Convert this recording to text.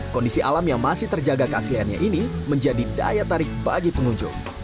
kondisi alam yang masih terjaga keasiannya ini menjadi daya tarik bagi pengunjung